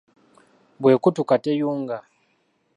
Bw'ekutuka teyunga.